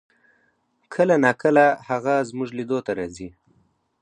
کله نا کله هغه زمونږ لیدو ته راځي